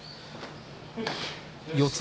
四つ